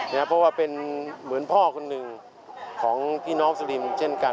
เพราะว่าเป็นเหมือนพ่อคนหนึ่งของพี่น้องสุรินเช่นกัน